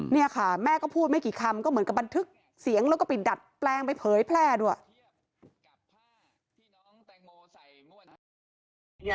เนี่ยค่ะแม่ก็พูดไม่กี่คำก็เหมือนกับบันทึกเสียงแล้วก็ไปดัดแปลงไปเผยแพร่ด้วย